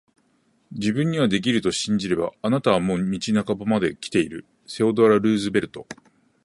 自分にはできると信じれば、あなたはもう道半ばまで来ている～セオドア・ルーズベルト～